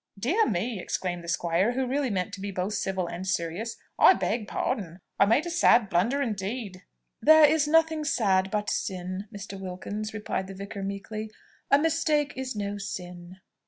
"Dear me!" exclaimed the squire, who really meant to be both civil and serious, "I beg pardon, I made a sad blunder indeed!" "There is nothing sad but sin, Mr. Wilkins!" replied the vicar meekly. "A mistake is no sin.